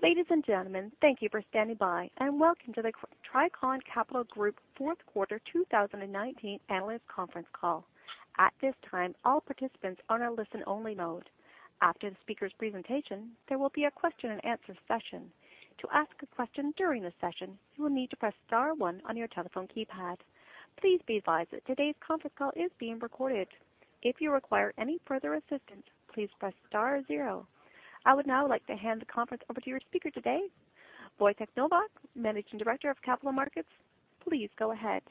Ladies and gentlemen, thank you for standing by and welcome to the Tricon Capital Group Fourth Quarter 2019 Analyst Conference Call. At this time, all participants are in a listen-only mode. After the speaker's presentation, there will be a question and answer session. To ask a question during the session, you will need to press star one on your telephone keypad. Please be advised that today's conference call is being recorded. If you require any further assistance, please press star zero. I would now like to hand the conference over to your speaker today, Wojtek Nowak, Managing Director, Capital Markets. Please go ahead.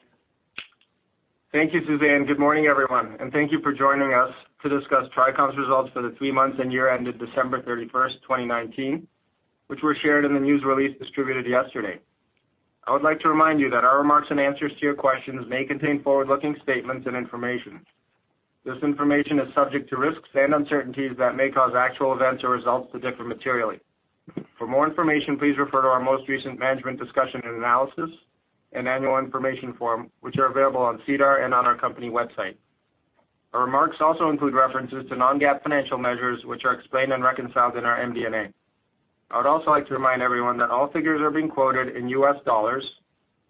Thank you, Suzanne. Good morning, everyone, and thank you for joining us to discuss Tricon’s results for the three months and year ended December 31st, 2019, which were shared in the news release distributed yesterday. I would like to remind you that our remarks and answers to your questions may contain forward-looking statements and information. This information is subject to risks and uncertainties that may cause actual events or results to differ materially. For more information, please refer to our most recent Management Discussion and Analysis and Annual Information Form, which are available on SEDAR and on our company website. Our remarks also include references to non-GAAP financial measures, which are explained and reconciled in our MD&A. I would also like to remind everyone that all figures are being quoted in US dollars,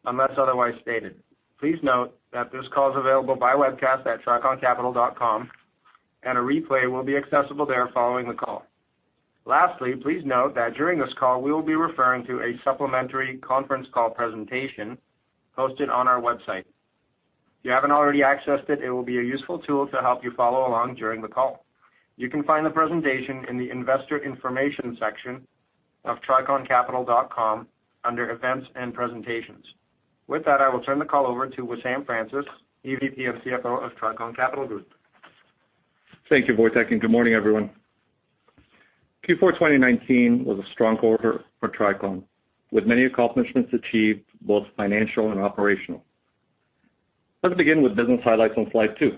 unless otherwise stated. Please note that this call is available by webcast at triconcapital.com, and a replay will be accessible there following the call. Lastly, please note that during this call, we will be referring to a supplementary conference call presentation hosted on our website. If you haven't already accessed it will be a useful tool to help you follow along during the call. You can find the presentation in the investor information section of triconcapital.com under events and presentations. With that, I will turn the call over to Wissam Francis, EVP and CFO of Tricon Capital Group. Thank you, Wojtek, and good morning, everyone. Q4 2019 was a strong quarter for Tricon, with many accomplishments achieved, both financial and operational. Let's begin with business highlights on slide two.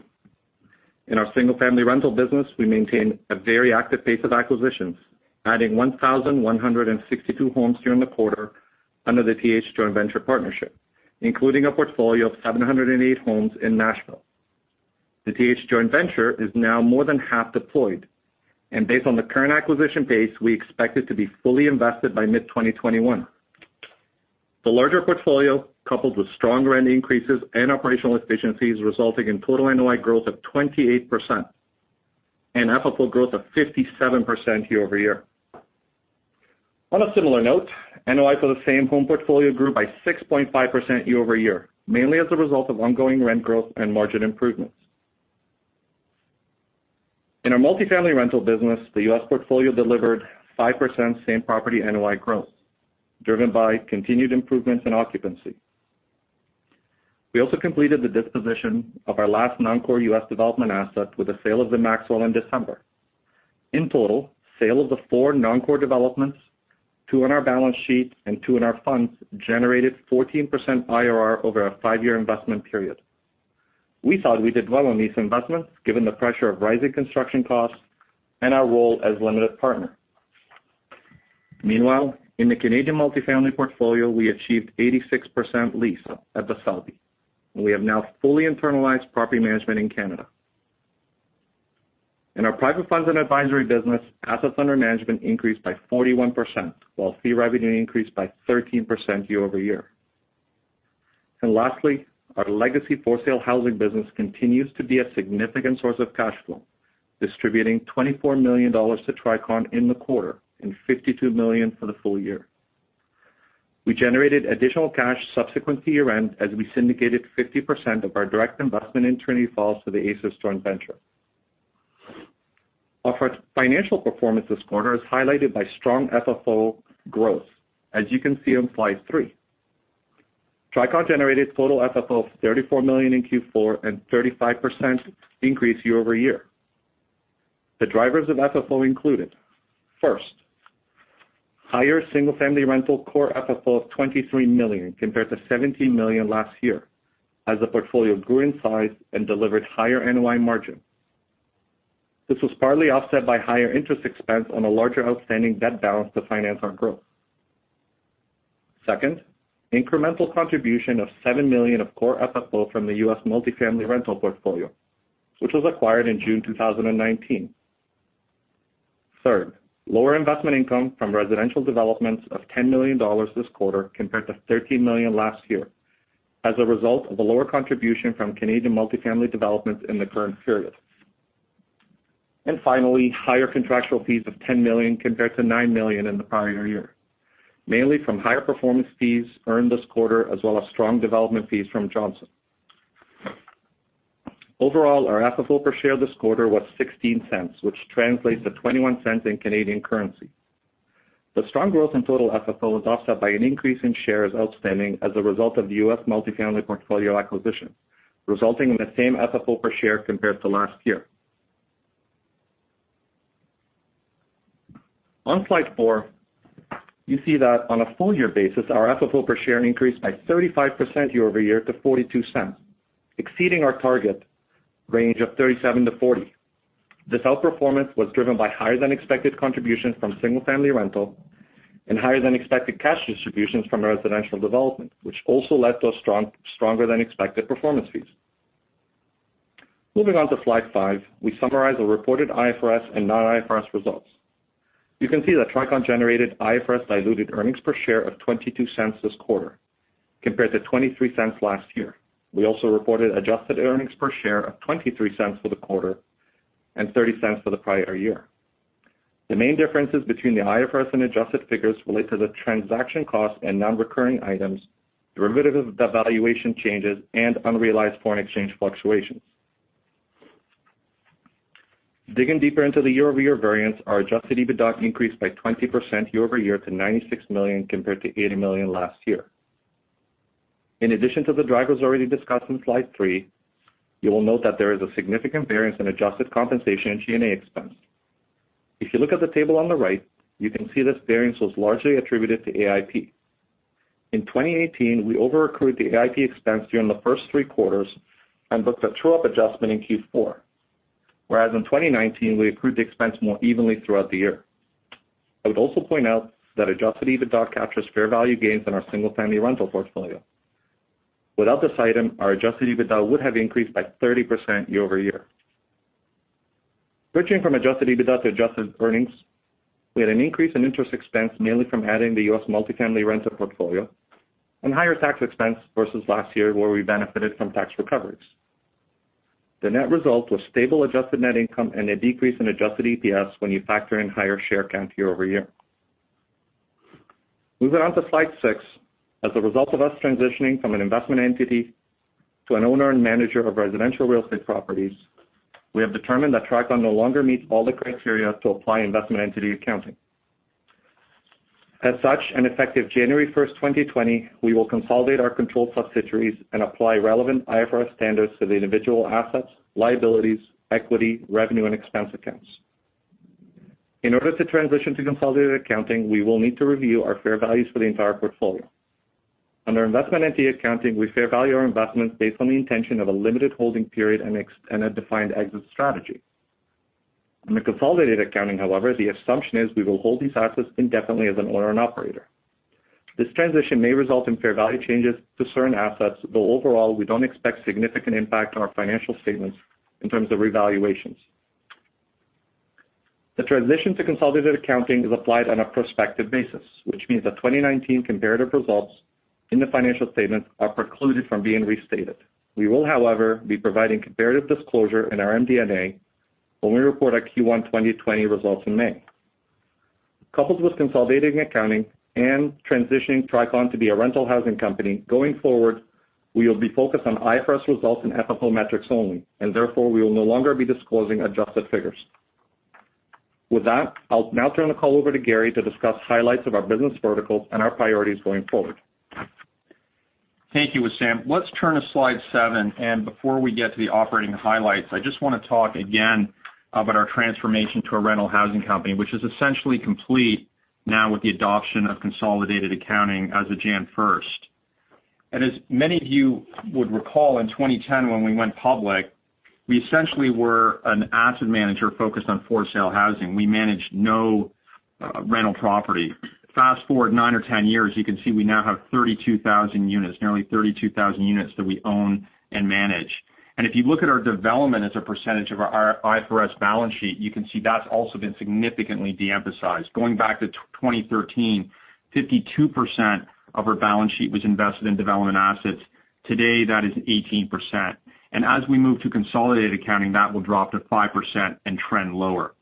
In our single-family rental business, we maintained a very active pace of acquisitions, adding 1,162 homes during the quarter under the TH joint venture partnership, including a portfolio of 708 homes in Nashville. The TH joint venture is now more than half deployed, and based on the current acquisition pace, we expect it to be fully invested by mid-2021. The larger portfolio, coupled with strong rent increases and operational efficiencies resulting in total NOI growth of 28% and FFO growth of 57% year-over-year. On a similar note, NOI for the same-home portfolio grew by 6.5% year-over-year, mainly as a result of ongoing rent growth and margin improvements. In our multifamily rental business, the U.S. portfolio delivered 5% same-property NOI growth, driven by continued improvements in occupancy. We also completed the disposition of our last non-core U.S. development asset with the sale of The Maxwell in December. In total, sale of the four non-core developments, two on our balance sheet and two in our funds, generated 14% IRR over a five-year investment period. We thought we did well on these investments, given the pressure of rising construction costs and our role as limited partner. Meanwhile, in the Canadian multifamily portfolio, we achieved 86% lease at Basalte, and we have now fully internalized property management in Canada. In our private funds and advisory business, assets under management increased by 41%, while fee revenue increased by 13% year-over-year. Lastly, our legacy for-sale housing business continues to be a significant source of cash flow, distributing $24 million to Tricon in the quarter and $52 million for the full year. We generated additional cash subsequent to year-end as we syndicated 50% of our direct investment in Trinity Falls to the ASRS joint venture. Our financial performance this quarter is highlighted by strong FFO growth, as you can see on slide three. Tricon generated total FFO of $34 million in Q4 and 35% increase year-over-year. The drivers of FFO included, first, higher single-family rental core FFO of $23 million compared to $17 million last year as the portfolio grew in size and delivered higher NOI margin. This was partly offset by higher interest expense on a larger outstanding debt balance to finance our growth. Second, incremental contribution of $7 million of core FFO from the U.S. multifamily rental portfolio, which was acquired in June 2019. Third, lower investment income from residential developments of $10 million this quarter compared to $13 million last year as a result of a lower contribution from Canadian multifamily developments in the current period. Finally, higher contractual fees of $10 million compared to $9 million in the prior year, mainly from higher performance fees earned this quarter as well as strong development fees from Johnson. Overall, our FFO per share this quarter was $0.16, which translates to 0.21. The strong growth in total FFO was offset by an increase in shares outstanding as a result of the U.S. multifamily portfolio acquisition, resulting in the same FFO per share compared to last year. On slide four, you see that on a full-year basis, our FFO per share increased by 35% year-over-year to 0.42, exceeding our target range of 0.37-0.40. This outperformance was driven by higher than expected contributions from single-family rental and higher than expected cash distributions from residential development, which also led to stronger than expected performance fees. Moving on to slide five, we summarize the reported IFRS and non-IFRS results. You can see that Tricon generated IFRS diluted earnings per share of 0.22 this quarter, compared to 0.23 last year. We also reported adjusted earnings per share of 0.23 for the quarter and 0.30 for the prior year. The main differences between the IFRS and adjusted figures relate to the transaction cost and non-recurring items, derivative valuation changes, and unrealized foreign exchange fluctuations. Digging deeper into the year-over-year variance, our adjusted EBITDA increased by 20% year-over-year to $96 million, compared to $80 million last year. In addition to the drivers already discussed in slide three, you will note that there is a significant variance in adjusted compensation and G&A expense. If you look at the table on the right, you can see this variance was largely attributed to AIP. In 2018, we over-accrued the AIP expense during the first three quarters and booked a true-up adjustment in Q4. Whereas in 2019, we accrued the expense more evenly throughout the year. I would also point out that adjusted EBITDA captures fair value gains on our single-family rental portfolio. Without this item, our adjusted EBITDA would have increased by 30% year-over-year. Switching from adjusted EBITDA to adjusted earnings, we had an increase in interest expense mainly from adding the U.S. multifamily rental portfolio and higher tax expense versus last year, where we benefited from tax recoveries. The net result was stable adjusted net income and a decrease in adjusted EPS when you factor in higher share count year-over-year. Moving on to slide six, as a result of us transitioning from an investment entity to an owner and manager of residential real estate properties, we have determined that Tricon no longer meets all the criteria to apply investment entity accounting. As such, and effective January 1st, 2020, we will consolidate our controlled subsidiaries and apply relevant IFRS standards to the individual assets, liabilities, equity, revenue, and expense accounts. In order to transition to consolidated accounting, we will need to review our fair values for the entire portfolio. Under investment entity accounting, we fair value our investments based on the intention of a limited holding period and a defined exit strategy. Under consolidated accounting, however, the assumption is we will hold these assets indefinitely as an owner and operator. This transition may result in fair value changes to certain assets, though overall, we don't expect significant impact on our financial statements in terms of revaluations. The transition to consolidated accounting is applied on a prospective basis, which means that 2019 comparative results in the financial statements are precluded from being restated. We will, however, be providing comparative disclosure in our MD&A when we report our Q1 2020 results in May. Coupled with consolidating accounting and transitioning Tricon to be a rental housing company, going forward, we will be focused on IFRS results and FFO metrics only, and therefore, we will no longer be disclosing adjusted figures. With that, I'll now turn the call over to Gary to discuss highlights of our business verticals and our priorities going forward. Thank you, Wissam. Let’s turn to slide seven and before we get to the operating highlights, I just want to talk again about our transformation to a rental housing company, which is essentially complete now with the adoption of consolidated accounting as of January 1st. As many of you would recall, in 2010, when we went public, we essentially were an asset manager focused on for-sale housing. We managed no rental property. Fast-forward nine or 10 years, you can see we now have 32,000 units, nearly 32,000 units that we own and manage. If you look at our development as a percentage of our IFRS balance sheet, you can see that's also been significantly de-emphasized. Going back to 2013, 52% of our balance sheet was invested in development assets. Today, that is 18%. As we move to consolidated accounting, that will drop to 5% and trend lower.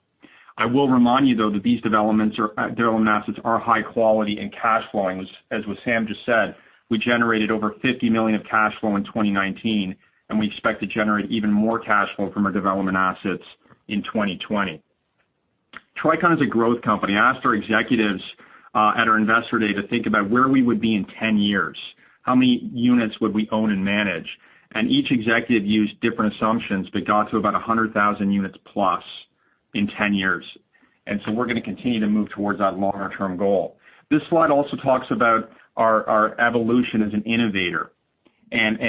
I will remind you, though, that these developments or development assets are high quality and cash flowing. As Wissam just said, we generated over $50 million of cash flow in 2019, and we expect to generate even more cash flow from our development assets in 2020. Tricon is a growth company. I asked our executives at our investor day to think about where we would be in 10 years. How many units would we own and manage? Each executive used different assumptions but got to about 100,000 units plus in 10 years. We're going to continue to move towards that longer-term goal. This slide also talks about our evolution as an innovator and,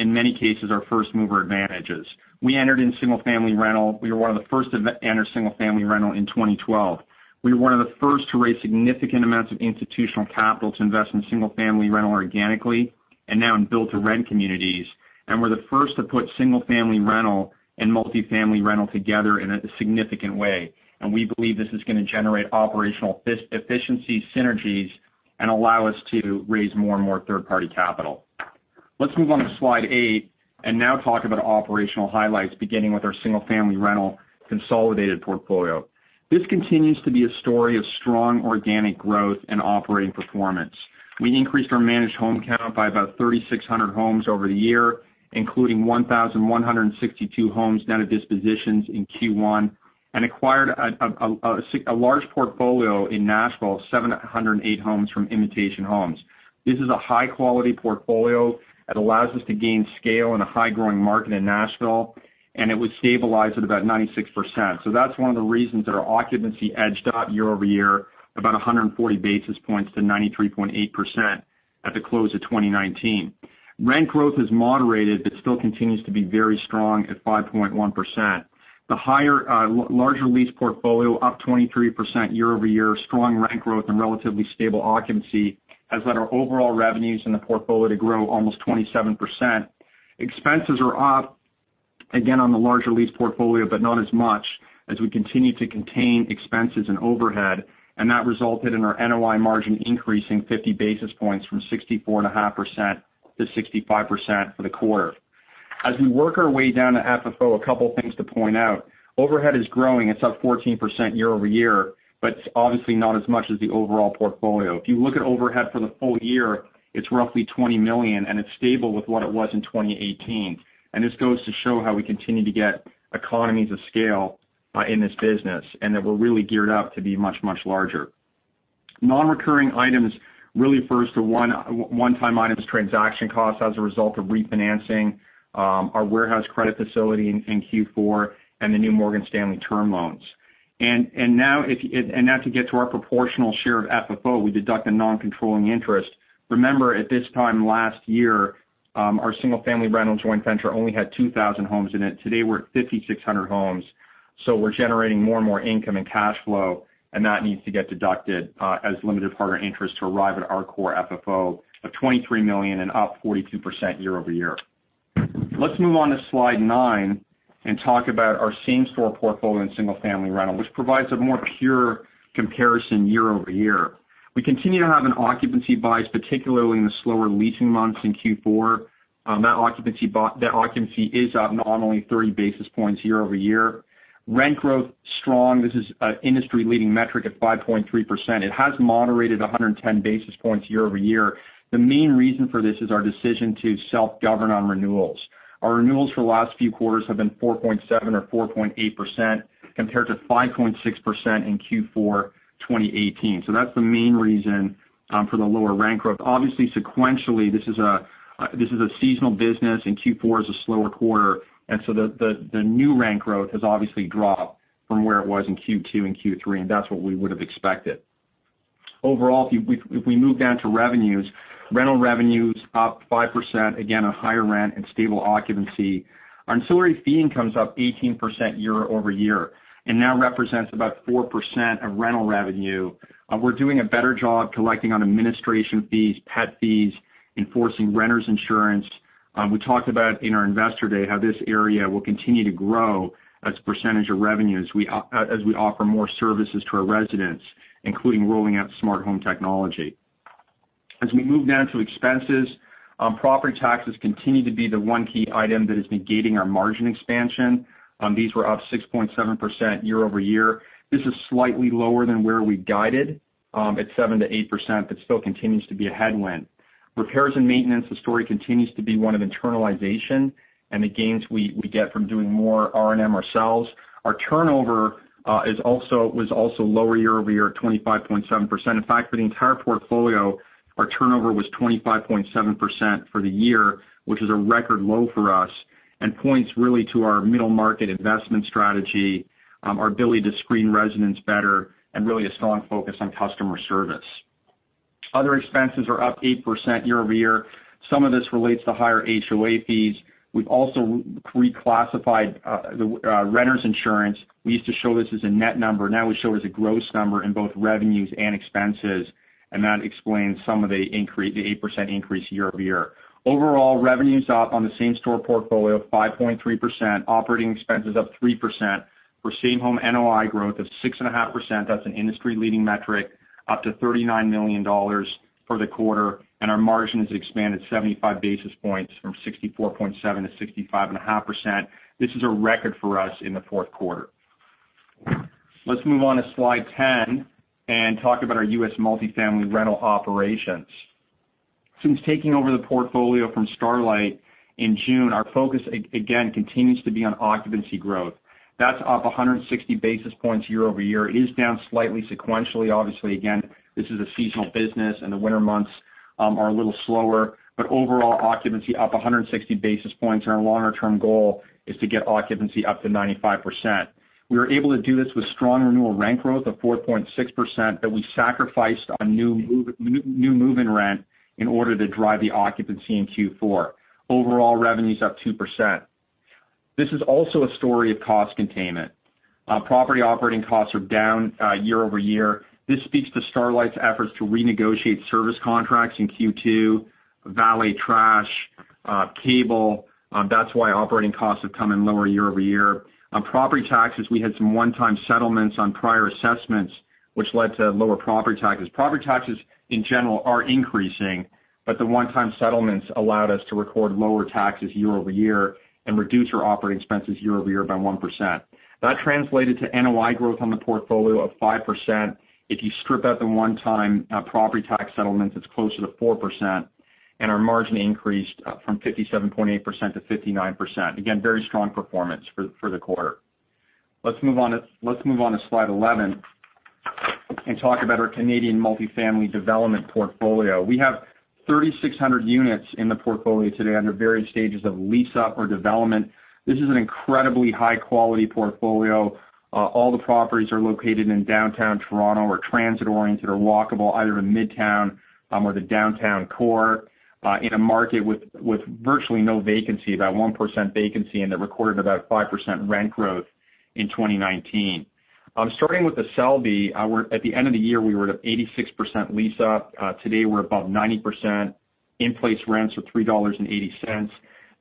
in many cases, our first-mover advantages. We entered in single-family rental. We were one of the first to enter single-family rental in 2012. We were one of the first to raise significant amounts of institutional capital to invest in single-family rental organically and now in build-to-rent communities. We're the first to put single-family rental and multifamily rental together in a significant way. We believe this is going to generate operational efficiency synergies and allow us to raise more and more third-party capital. Let's move on to slide eight and now talk about operational highlights, beginning with our single-family rental consolidated portfolio. This continues to be a story of strong organic growth and operating performance. We increased our managed home count by about 3,600 homes over the year, including 1,162 homes now to dispositions in Q1, and acquired a large portfolio in Nashville, 708 homes from Invitation Homes. This is a high-quality portfolio that allows us to gain scale in a high-growing market in Nashville. It was stabilized at about 96%. That's one of the reasons that our occupancy edged up year-over-year about 140 basis points to 93.8% at the close of 2019. Rent growth has moderated but still continues to be very strong at 5.1%. The higher, larger lease portfolio up 23% year-over-year, strong rent growth, and relatively stable occupancy has let our overall revenues in the portfolio grow almost 27%. Expenses are up, again, on the larger lease portfolio, not as much as we continue to contain expenses and overhead. That resulted in our NOI margin increasing 50 basis points from 64.5% to 65% for the quarter. As we work our way down to FFO, a couple things to point out. Overhead is growing. It's up 14% year-over-year, obviously not as much as the overall portfolio. If you look at overhead for the full year, it's roughly $20 million, it's stable with what it was in 2018. This goes to show how we continue to get economies of scale in this business, and that we're really geared up to be much larger. Non-recurring items really refers to one-time items, transaction costs as a result of refinancing our warehouse credit facility in Q4, and the new Morgan Stanley term loans. Now to get to our proportional share of FFO, we deduct the non-controlling interest. Remember, at this time last year, our single-family rental joint venture only had 2,000 homes in it. Today, we're at 5,600 homes. We're generating more and more income and cash flow, and that needs to get deducted as limited partner interest to arrive at our core FFO of $23 million and up 42% year-over-year. Let's move on to slide nine and talk about our same store portfolio in single-family rental, which provides a more pure comparison year-over-year. We continue to have an occupancy bias, particularly in the slower leasing months in Q4. Net occupancy is up nominally 30 basis points year-over-year. Rent growth, strong. This is an industry-leading metric at 5.3%. It has moderated 110 basis points year-over-year. The main reason for this is our decision to self-govern on renewals. Our renewals for the last few quarters have been 4.7% or 4.8%, compared to 5.6% in Q4 2018. That's the main reason for the lower rent growth. Obviously, sequentially, this is a seasonal business, Q4 is a slower quarter. The new rent growth has obviously dropped from where it was in Q2 and Q3, that's what we would've expected. Overall, if we move down to revenues, rental revenue is up 5%, again, on higher rent and stable occupancy. Ancillary fee income's up 18% year-over-year and now represents about 4% of rental revenue. We're doing a better job collecting on administration fees, pet fees, enforcing renters insurance. We talked about in our Investor Day how this area will continue to grow as a percentage of revenue as we offer more services to our residents, including rolling out smart home technology. As we move down to expenses, property taxes continue to be the one key item that has been gating our margin expansion. These were up 6.7% year-over-year. This is slightly lower than where we guided at 7%-8%, but still continues to be a headwind. Repairs and maintenance, the story continues to be one of internalization and the gains we get from doing more R&M ourselves. Our turnover was also lower year-over-year at 25.7%. In fact, for the entire portfolio, our turnover was 25.7% for the year, which is a record low for us and points really to our middle market investment strategy, our ability to screen residents better, and really a strong focus on customer service. Other expenses are up 8% year-over-year. Some of this relates to higher HOA fees. We've also reclassified the renters insurance. We used to show this as a net number. Now we show it as a gross number in both revenues and expenses, and that explains some of the 8% increase year-over-year. Overall, revenue's up on the same store portfolio of 5.3%. Operating expense is up 3%. We're seeing home NOI growth of 6.5%. That's an industry-leading metric, up to $39 million for the quarter. Our margin has expanded 75 basis points from 64.7%-65.5%. This is a record for us in the fourth quarter. Let's move on to slide 10 and talk about our U.S. multifamily rental operations. Since taking over the portfolio from Starlight in June, our focus, again, continues to be on occupancy growth. That's up 160 basis points year-over-year. It is down slightly sequentially. Obviously, again, this is a seasonal business, and the winter months are a little slower. Overall occupancy up 160 basis points, and our longer-term goal is to get occupancy up to 95%. We were able to do this with strong renewal rent growth of 4.6% that we sacrificed on new move-in rent in order to drive the occupancy in Q4. Overall revenue's up 2%. This is also a story of cost containment. Property operating costs are down year-over-year. This speaks to Starlight's efforts to renegotiate service contracts in Q2, valet, trash, cable. That's why operating costs have come in lower year-over-year. On property taxes, we had some one-time settlements on prior assessments, which led to lower property taxes. Property taxes in general are increasing, the one-time settlements allowed us to record lower taxes year-over-year and reduce our operating expenses year-over-year by 1%. That translated to NOI growth on the portfolio of 5%. If you strip out the one-time property tax settlement, it's closer to 4%, and our margin increased from 57.8% to 59%. Again, very strong performance for the quarter. Let's move on to slide 11 and talk about our Canadian multifamily development portfolio. We have 3,600 units in the portfolio today under various stages of lease-up or development. This is an incredibly high-quality portfolio. All the properties are located in downtown Toronto or transit-oriented or walkable, either in Midtown or the downtown core, in a market with virtually no vacancy, about 1% vacancy, and that recorded about 5% rent growth in 2019. Starting with The Selby, at the end of the year, we were at 86% lease-up. Today, we're about 90%. In-place rents are $3.80.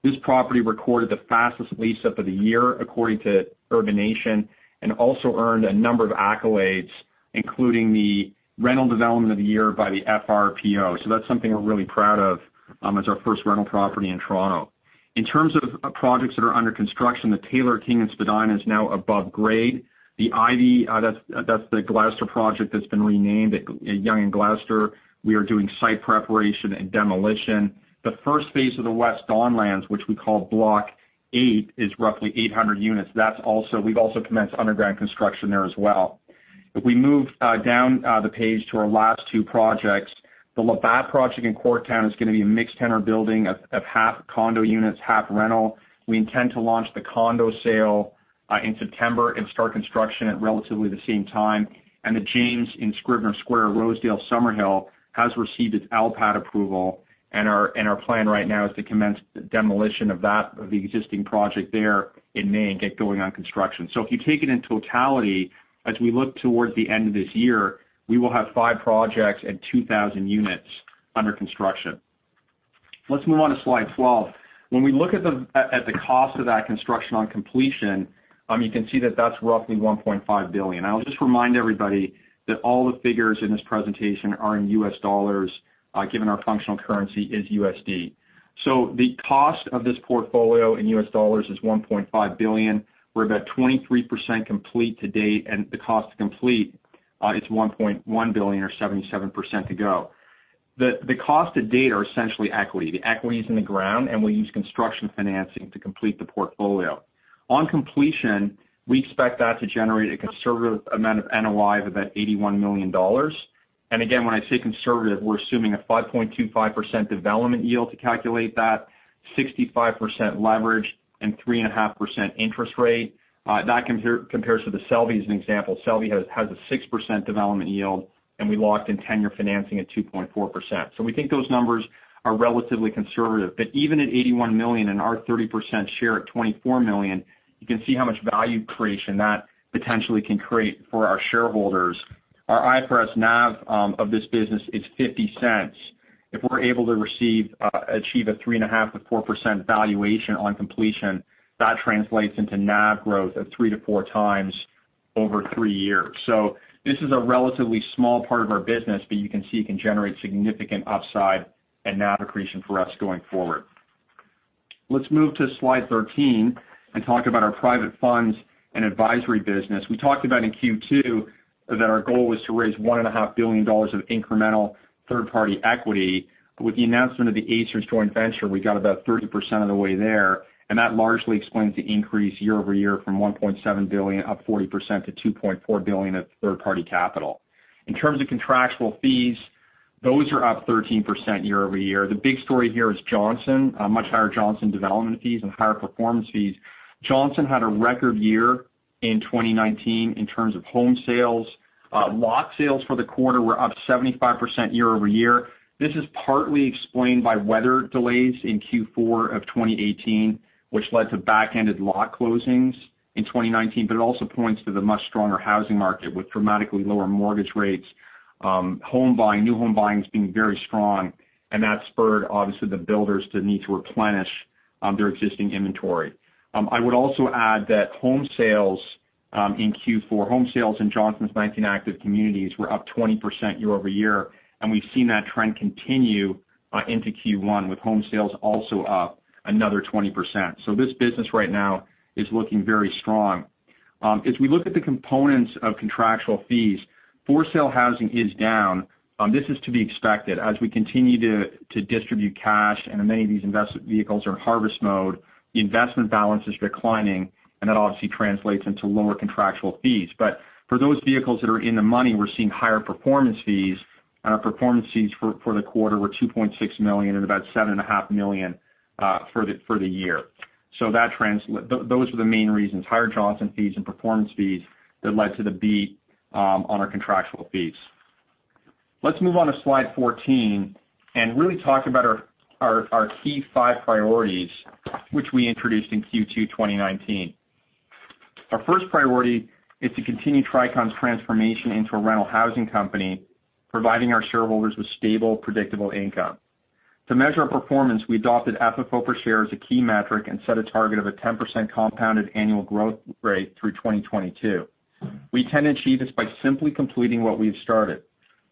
This property recorded the fastest lease-up of the year according to Urbanation, and also earned a number of accolades, including the Rental Development of the Year by the FRPO. That's something we're really proud of as our first rental property in Toronto. In terms of projects that are under construction, The Taylor King and Spadina is now above grade. The Ivy, that's the Gloucester project that's been renamed at Yonge and Gloucester, we are doing site preparation and demolition. The first phase of the West Don Lands, which we call Block 8, is roughly 800 units. We've also commenced underground construction there as well. If we move down the page to our last two projects, the Labatt project in Corktown is going to be a mixed-tenure building of half condo units, half rental. We intend to launch the condo sale in September and start construction at relatively the same time. The James in Scrivener Square, Rosedale, Summerhill, has received its LPAT approval, and our plan right now is to commence the demolition of the existing project there in May and get going on construction. If you take it in totality, as we look towards the end of this year, we will have five projects and 2,000 units under construction. Let's move on to slide 12. When we look at the cost of that construction on completion, you can see that that's roughly $1.5 billion. I will just remind everybody that all the figures in this presentation are in US dollars, given our functional currency is USD. The cost of this portfolio in US dollars is $1.5 billion. We are about 23% complete to date, and the cost to complete is $1.1 billion or 77% to go. The costs to date are essentially equity. The equity is in the ground, and we use construction financing to complete the portfolio. On completion, we expect that to generate a conservative amount of NOI of about $81 million. When I say conservative, we're assuming a 5.25% development yield to calculate that, 65% leverage, and 3.5% interest rate. That compares to The Selby as an example. The Selby has a 6% development yield, and we locked in tenure financing at 2.4%. We think those numbers are relatively conservative. Even at $81 million and our 30% share at $24 million, you can see how much value creation that potentially can create for our shareholders. Our IFRS NAV of this business is $0.50. If we're able to achieve a 3.5%-4% valuation on completion, that translates into NAV growth of three to four times over three years. This is a relatively small part of our business, but you can see it can generate significant upside and NAV accretion for us going forward. Let's move to slide 13 and talk about our private funds and advisory business. We talked about in Q2 that our goal was to raise $1.5 billion of incremental third-party equity. With the announcement of the ASRS joint venture, we got about 30% of the way there, and that largely explains the increase year-over-year from $1.7 billion, up 40%, to $2.4 billion of third-party capital. In terms of contractual fees, those are up 13% year-over-year. The big story here is Johnson. Much higher Johnson development fees and higher performance fees. Johnson had a record year in 2019 in terms of home sales. Lot sales for the quarter were up 75% year-over-year. This is partly explained by weather delays in Q4 of 2018, which led to back-ended lot closings in 2019. It also points to the much stronger housing market with dramatically lower mortgage rates. New home buying has been very strong, and that spurred, obviously, the builders to need to replenish their existing inventory. I would also add that home sales in Q4, home sales in Johnson's 19 active communities were up 20% year-over-year, and we've seen that trend continue into Q1, with home sales also up another 20%. This business right now is looking very strong. As we look at the components of contractual fees, for-sale housing is down. This is to be expected. As we continue to distribute cash and many of these investment vehicles are in harvest mode, the investment balance is declining, and that obviously translates into lower contractual fees. For those vehicles that are in the money, we're seeing higher performance fees. Our performance fees for the quarter were $2.6 million and about $7.5 million for the year. Those were the main reasons, higher Johnson fees and performance fees, that led to the beat on our contractual fees. Let's move on to slide 14 and really talk about our key five priorities, which we introduced in Q2 2019. Our first priority is to continue Tricon's transformation into a rental housing company, providing our shareholders with stable, predictable income. To measure our performance, we adopted AFFO per share as a key metric and set a target of a 10% compounded annual growth rate through 2022. We can achieve this by simply completing what we've started: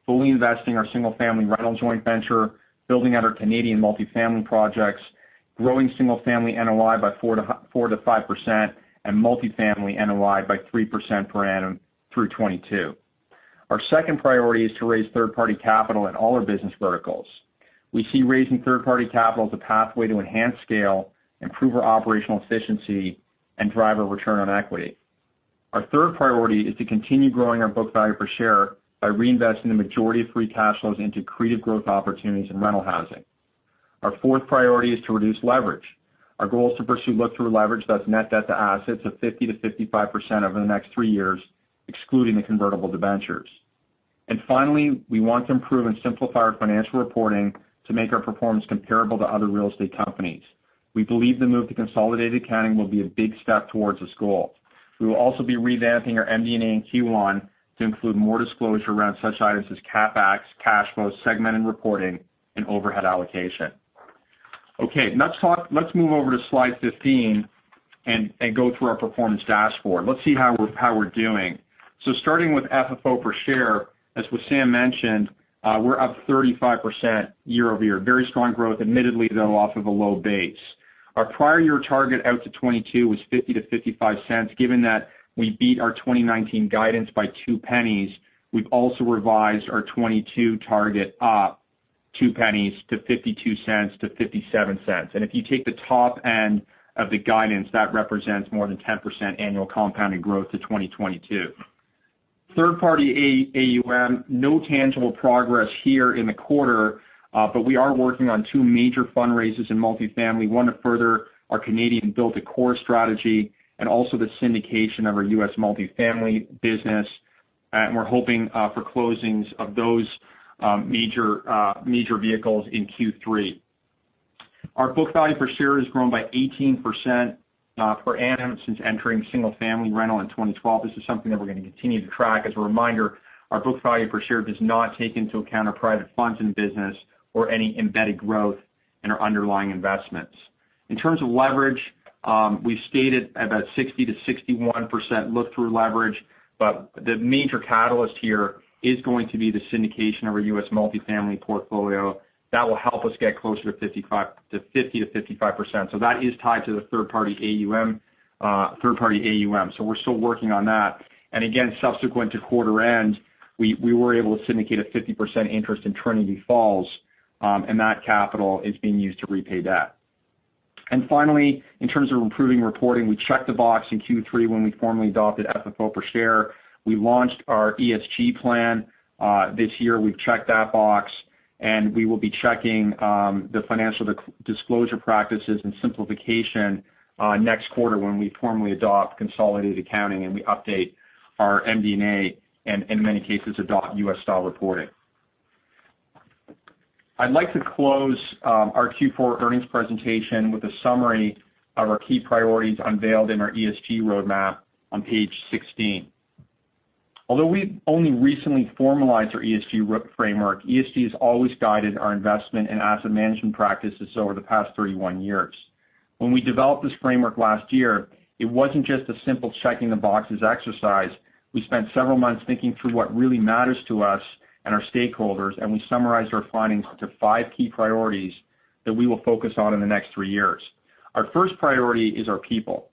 fully investing our single-family rental joint venture, building out our Canadian multifamily projects, growing single-family NOI by 4%-5%, and multifamily NOI by 3% per annum through 2022. Our second priority is to raise third-party capital in all our business verticals. We see raising third-party capital as a pathway to enhance scale, improve our operational efficiency, and drive our return on equity. Our third priority is to continue growing our book value per share by reinvesting the majority of free cash flows into accretive growth opportunities in rental housing. Our fourth priority is to reduce leverage. Our goal is to pursue look-through leverage, that's net debt to assets, of 50%-55% over the next three years, excluding the convertible debentures. Finally, we want to improve and simplify our financial reporting to make our performance comparable to other real estate companies. We believe the move to consolidated accounting will be a big step towards this goal. We will also be revamping our MD&A in Q1 to include more disclosure around such items as CapEx, cash flow segmented reporting, and overhead allocation. Okay. Let's move over to slide 15 and go through our performance dashboard. Let's see how we're doing. Starting with FFO per share, as Wissam mentioned, we're up 35% year-over-year. Very strong growth, admittedly, though, off of a low base. Our prior year target out to 2022 was 0.50 to 0.55. Given that we beat our 2019 guidance by 0.02, we've also revised our 2022 target up 0.02 to 0.52 to 0.57. If you take the top end of the guidance, that represents more than 10% annual compounded growth to 2022. Third party AUM, no tangible progress here in the quarter. We are working on two major fundraisers in multifamily, one to further our Canadian build to core strategy and also the syndication of our U.S. multifamily business. We're hoping for closings of those major vehicles in Q3. Our book value per share has grown by 18% per annum since entering single-family rental in 2012. This is something that we're going to continue to track. As a reminder, our book value per share does not take into account our private funds in the business or any embedded growth in our underlying investments. In terms of leverage, we've stated about 60%-61% look-through leverage. The major catalyst here is going to be the syndication of our U.S. multifamily portfolio. That will help us get closer to 50%-55%. That is tied to the third party AUM. We're still working on that. Again, subsequent to quarter end, we were able to syndicate a 50% interest in Trinity Falls, and that capital is being used to repay debt. Finally, in terms of improving reporting, we checked the box in Q3 when we formally adopted FFO per share. We launched our ESG plan, this year we've checked that box, and we will be checking the financial disclosure practices and simplification next quarter when we formally adopt consolidated accounting and we update our MD&A, and in many cases, adopt U.S. style reporting. I'd like to close our Q4 earnings presentation with a summary of our key priorities unveiled in our ESG roadmap on page 16. Although we've only recently formalized our ESG framework, ESG has always guided our investment and asset management practices over the past 31 years. When we developed this framework last year, it wasn't just a simple checking the boxes exercise. We spent several months thinking through what really matters to us and our stakeholders, and we summarized our findings into five key priorities that we will focus on in the next three years. Our first priority is our people.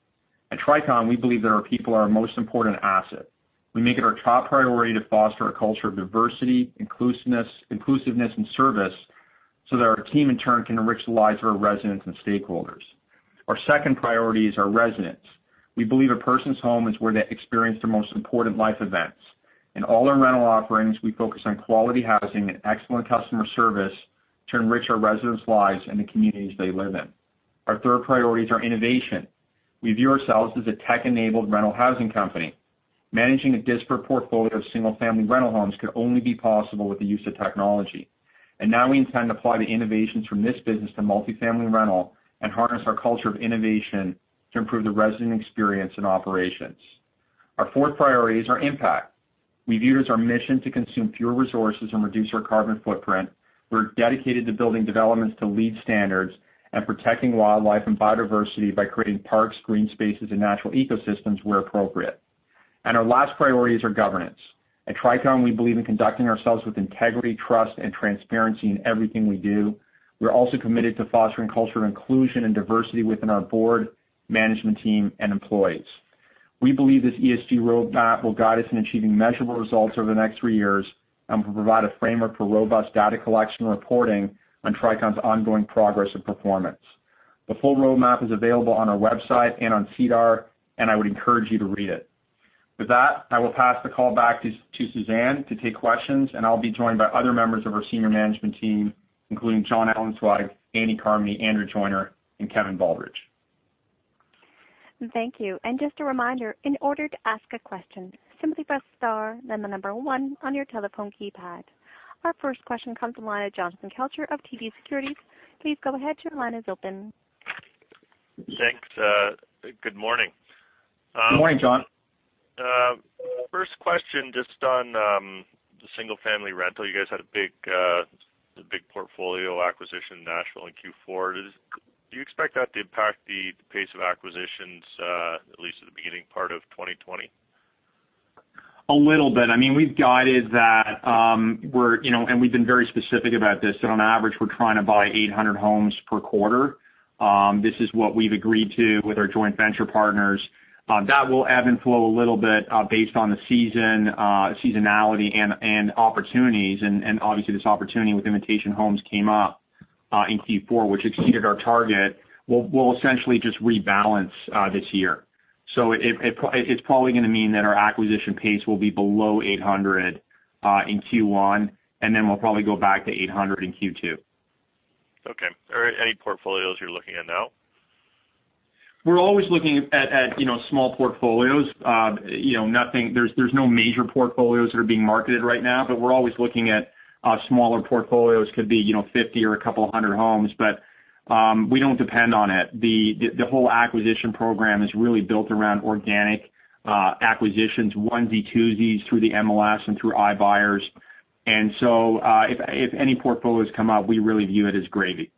At Tricon, we believe that our people are our most important asset. We make it our top priority to foster a culture of diversity, inclusiveness, and service so that our team, in turn, can enrich the lives of our residents and stakeholders. Our second priority is our residents. We believe a person's home is where they experience their most important life events. In all our rental offerings, we focus on quality housing and excellent customer service to enrich our residents' lives and the communities they live in. Our third priority is our innovation. We view ourselves as a tech-enabled rental housing company. Managing a disparate portfolio of single-family rental homes could only be possible with the use of technology. Now we intend to apply the innovations from this business to multifamily rental and harness our culture of innovation to improve the resident experience and operations. Our fourth priority is our impact. We view it as our mission to consume fewer resources and reduce our carbon footprint. We're dedicated to building developments to LEED standards and protecting wildlife and biodiversity by creating parks, green spaces, and natural ecosystems where appropriate. Our last priority is our governance. At Tricon, we believe in conducting ourselves with integrity, trust, and transparency in everything we do. We're also committed to fostering a culture of inclusion and diversity within our board, management team, and employees. We believe this ESG roadmap will guide us in achieving measurable results over the next three years and will provide a framework for robust data collection and reporting on Tricon's ongoing progress and performance. The full roadmap is available on our website and on SEDAR. I would encourage you to read it. With that, I will pass the call back to Suzanne to take questions. I'll be joined by other members of our senior management team, including Jonathan Ellenzweig, Andy Carmody, Andrew Joyner, and Kevin Baldridge. Thank you. Just a reminder, in order to ask a question, simply press star, then the number one on your telephone keypad. Our first question comes from the line of Jonathan Kelcher of TD Securities. Please go ahead, your line is open. Thanks. Good morning. Good morning, John. First question, just on the single-family rental. You guys had a big portfolio acquisition in Nashville in Q4. Do you expect that to impact the pace of acquisitions, at least at the beginning part of 2020? A little bit. We've guided that, and we've been very specific about this, that on average, we're trying to buy 800 homes per quarter. This is what we've agreed to with our joint venture partners. That will ebb and flow a little bit based on the seasonality and opportunities, and obviously, this opportunity with Invitation Homes came up in Q4, which exceeded our target. We'll essentially just rebalance this year. It's probably going to mean that our acquisition pace will be below 800 in Q1, and then we'll probably go back to 800 in Q2. Okay. Are there any portfolios you're looking at now? We're always looking at small portfolios. There's no major portfolios that are being marketed right now, but we're always looking at smaller portfolios. Could be 50 or a couple of hundred homes, but we don't depend on it. The whole acquisition program is really built around organic acquisitions, onesies, twosies, through the MLS and through iBuyer. If any portfolios come up, we really view it as gravy.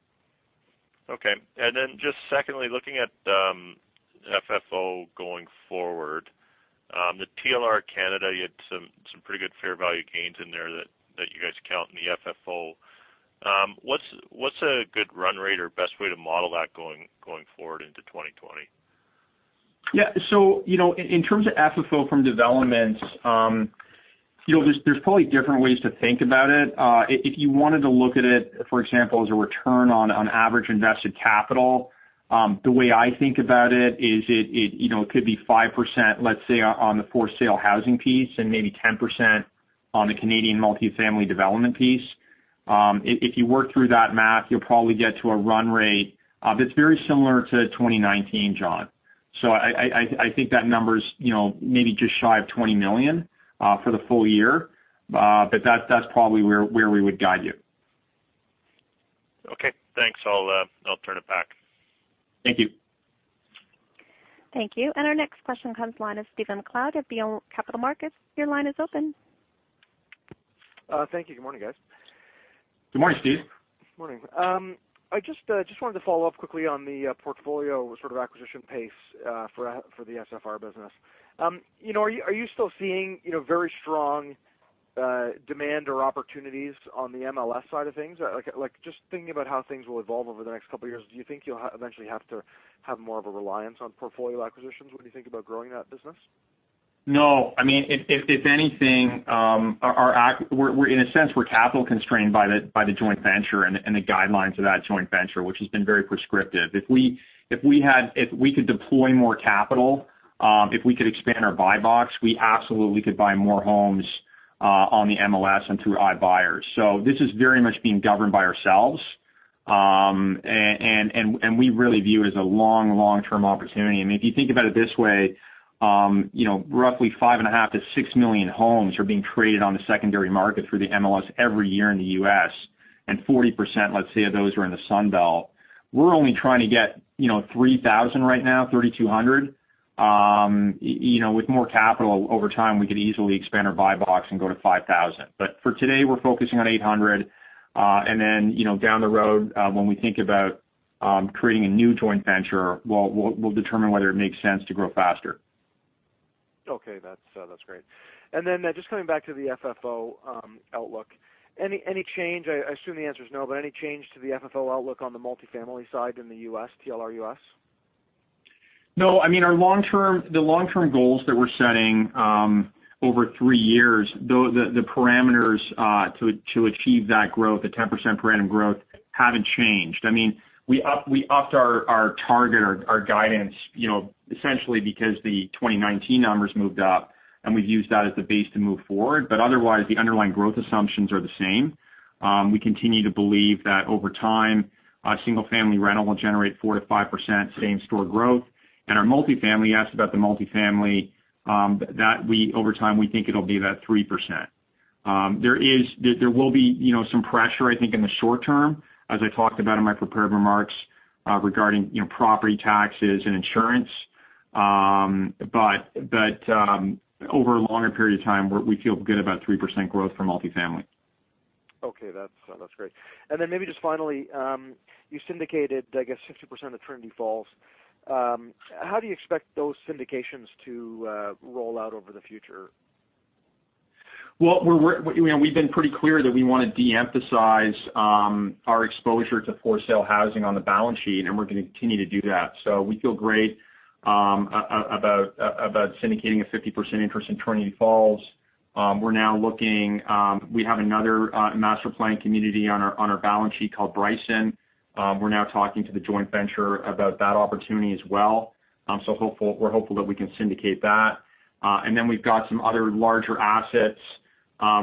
Okay. Just secondly, looking at the FFO going forward. The TLR Canada, you had some pretty good fair value gains in there that you guys count in the FFO. What's a good run rate or best way to model that going forward into 2020? Yeah. In terms of FFO from developments, there's probably different ways to think about it. If you wanted to look at it, for example, as a return on average invested capital, the way I think about it is it could be 5%, let's say, on the for-sale housing piece and maybe 10% on the Canadian multifamily development piece. If you work through that math, you'll probably get to a run rate that's very similar to 2019, John. I think that number's maybe just shy of $20 million for the full year. That's probably where we would guide you. Okay, thanks. I'll turn it back. Thank you. Thank you. Our next question comes line of Stephen MacLeod at BMO Capital Markets. Your line is open. Thank you. Good morning, guys. Good morning, Stephen. Morning. I just wanted to follow up quickly on the portfolio sort of acquisition pace for the SFR business. Are you still seeing very strong demand or opportunities on the MLS side of things? Like, just thinking about how things will evolve over the next couple of years, do you think you'll eventually have to have more of a reliance on portfolio acquisitions when you think about growing that business? No. If anything, in a sense, we're capital constrained by the joint venture and the guidelines of that joint venture, which has been very prescriptive. If we could deploy more capital, if we could expand our buy box, we absolutely could buy more homes on the MLS and through iBuyer. This is very much being governed by ourselves. We really view it as a long-term opportunity. I mean, if you think about it this way, roughly 5.5 million-6 million homes are being traded on the secondary market through the MLS every year in the U.S., and 40%, let's say, of those are in the Sun Belt. We're only trying to get 3,000 right now, 3,200. With more capital, over time, we could easily expand our buy box and go to 5,000. For today, we're focusing on 800. Down the road, when we think about creating a new joint venture, we'll determine whether it makes sense to grow faster. Okay. That's great. Just coming back to the FFO outlook. Any change, I assume the answer's no, but any change to the FFO outlook on the multifamily side in the U.S., TLR U.S.? No. The long-term goals that we're setting over three years, the parameters to achieve that growth, the 10% parameter growth, haven't changed. We upped our target, our guidance, essentially because the 2019 numbers moved up, and we've used that as the base to move forward. Otherwise, the underlying growth assumptions are the same. We continue to believe that over time, single-family rental will generate 4%-5% same-store growth. Our multifamily, you asked about the multifamily, that over time, we think it'll be about 3%. There will be some pressure, I think, in the short term, as I talked about in my prepared remarks, regarding property taxes and insurance. Over a longer period of time, we feel good about 3% growth for multifamily. Okay. That's great. Maybe just finally, you syndicated, I guess, 50% of Trinity Falls. How do you expect those syndications to roll out over the future? Well, we've been pretty clear that we want to de-emphasize our exposure to for-sale housing on the balance sheet. We're going to continue to do that. We feel great about syndicating a 50% interest in Trinity Falls. We have another master-planned community on our balance sheet called Bryson. We're now talking to the joint venture about that opportunity as well. We're hopeful that we can syndicate that. We've got some other larger assets,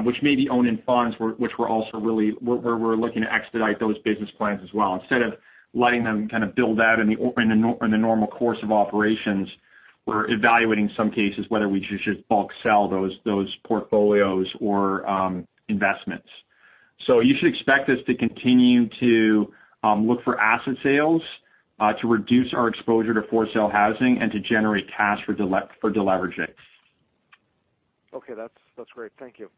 which may be owned in funds, where we're looking to expedite those business plans as well. Instead of letting them kind of build out in the normal course of operations, we're evaluating some cases whether we should just bulk sell those portfolios or investments. You should expect us to continue to look for asset sales to reduce our exposure to for-sale housing and to generate cash for de-leveraging. Okay, that's great. Thank you.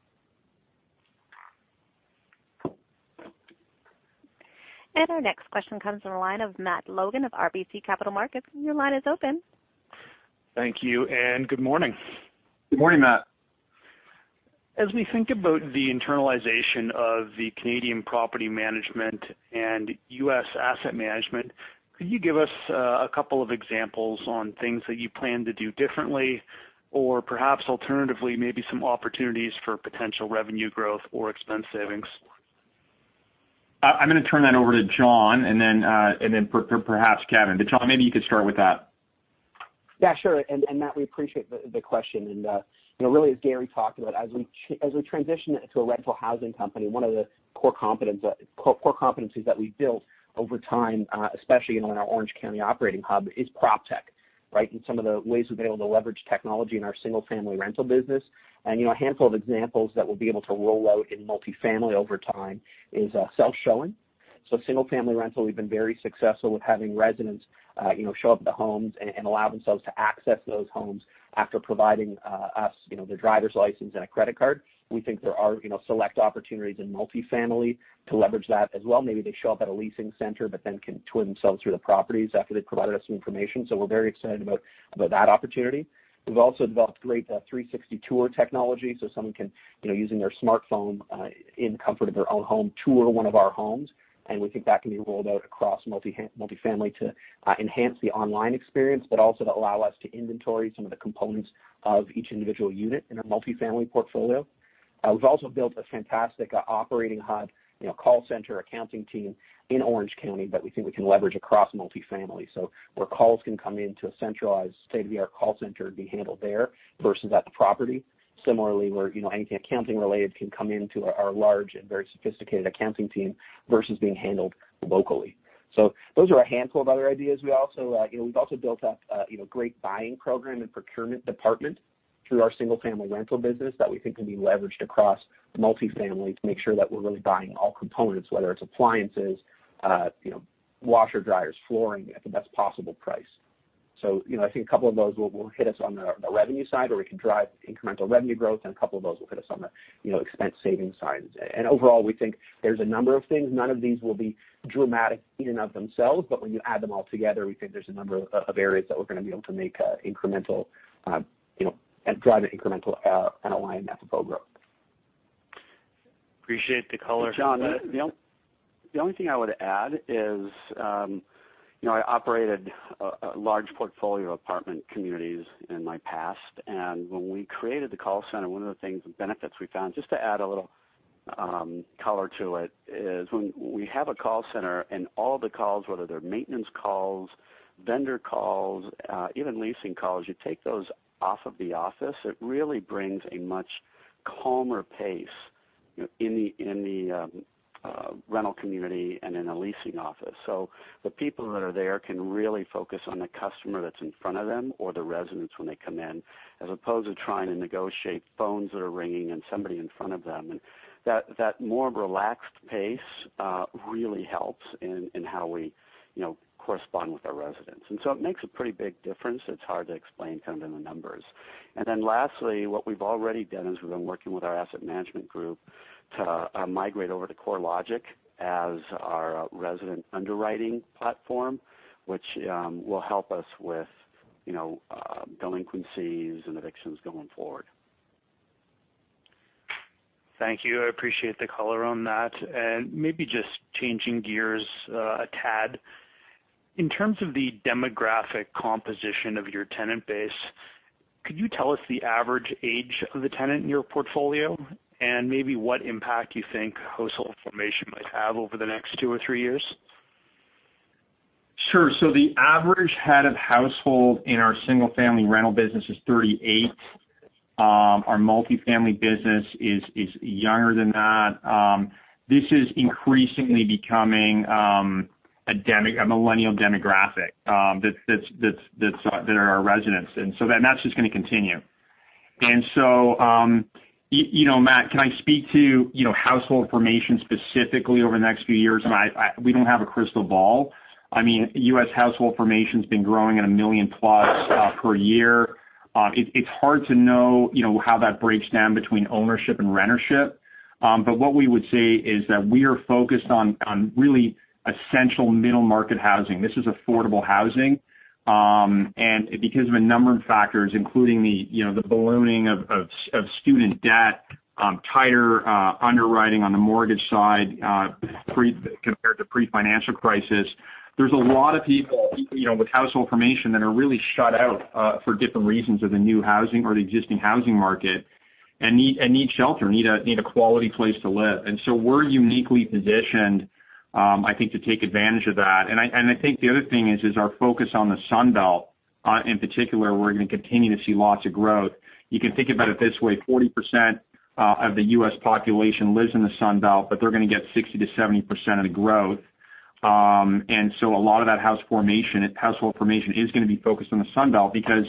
Our next question comes from the line of Matt Logan of RBC Capital Markets. Your line is open. Thank you, good morning. Good morning, Matt. As we think about the internalization of the Canadian property management and U.S. asset management, could you give us a couple of examples on things that you plan to do differently, or perhaps alternatively, maybe some opportunities for potential revenue growth or expense savings? I'm going to turn that over to John, and then perhaps Kevin. John, maybe you could start with that. Yeah, sure. Matt, we appreciate the question. Really, as Gary talked about, as we transition into a rental housing company, one of the core competencies that we've built over time, especially in our Orange County operating hub, is PropTech. Some of the ways we've been able to leverage technology in our single-family rental business. A handful of examples that we'll be able to roll out in multifamily over time is self-showing. Single-family rental, we've been very successful with having residents show up at the homes and allow themselves to access those homes after providing us their driver's license and a credit card. We think there are select opportunities in multifamily to leverage that as well. Maybe they show up at a leasing center, can tour themselves through the properties after they've provided us some information. We're very excited about that opportunity. We've also developed great 360 tour technology, so someone can, using their smartphone, in the comfort of their own home, tour one of our homes, and we think that can be rolled out across multifamily to enhance the online experience, also to allow us to inventory some of the components of each individual unit in our multifamily portfolio. We've also built a fantastic operating hub call center accounting team in Orange County that we think we can leverage across multifamily. Where calls can come in to a centralized state-of-the-art call center and be handled there versus at the property. Similarly, where anything accounting-related can come into our large and very sophisticated accounting team versus being handled locally. Those are a handful of other ideas. We've also built up a great buying program and procurement department through our single-family rental business that we think can be leveraged across multifamily to make sure that we're really buying all components, whether it's appliances, washer, dryers, flooring, at the best possible price. I think a couple of those will hit us on the revenue side where we can drive incremental revenue growth, and a couple of those will hit us on the expense saving side. Overall, we think there's a number of things. None of these will be dramatic in and of themselves, but when you add them all together, we think there's a number of areas that we're going to be able to drive incremental and aligned FFO growth. Appreciate the color. Matt, the only thing I would add is, I operated a large portfolio of apartment communities in my past, and when we created the call center, one of the benefits we found, just to add a little color to it, is when we have a call center and all the calls, whether they're maintenance calls, vendor calls, even leasing calls, you take those off of the office, it really brings a much calmer pace in the rental community and in the leasing office. The people that are there can really focus on the customer that's in front of them or the residents when they come in, as opposed to trying to negotiate phones that are ringing and somebody in front of them. That more relaxed pace really helps in how we correspond with our residents. It makes a pretty big difference. It is hard to explain kind of in the numbers. Lastly, what we have already done is we have been working with our asset management group to migrate over to CoreLogic as our resident underwriting platform, which will help us with delinquencies and evictions going forward. Thank you. I appreciate the color on that. Maybe just changing gears a tad. In terms of the demographic composition of your tenant base, could you tell us the average age of the tenant in your portfolio and maybe what impact you think household formation might have over the next two or three years? Sure. The average head of household in our single-family rental business is 38. Our multifamily business is younger than that. This is increasingly becoming a millennial demographic that are our residents. That's just going to continue. Matt, can I speak to household formation specifically over the next few years? We don't have a crystal ball. U.S. household formation's been growing at a million-plus per year. It's hard to know how that breaks down between ownership and rentership. What we would say is that we are focused on really essential middle-market housing. This is affordable housing. Because of a number of factors, including the ballooning of student debt, tighter underwriting on the mortgage side compared to pre-financial crisis, there's a lot of people with household formation that are really shut out for different reasons of the new housing or the existing housing market and need shelter, need a quality place to live. We're uniquely positioned, I think, to take advantage of that. I think the other thing is our focus on the Sun Belt in particular, where we're going to continue to see lots of growth. You can think about it this way, 40% of the U.S. population lives in the Sun Belt, they're going to get 60%-70% of the growth. A lot of that household formation is going to be focused on the Sun Belt because,